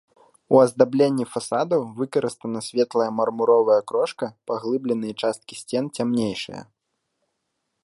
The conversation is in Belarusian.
У аздабленні фасадаў выкарыстана светлая мармуровая крошка, паглыбленыя часткі сцен цямнейшыя.